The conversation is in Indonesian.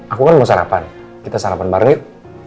aku kan mau sarapan kita sarapan bareng yuk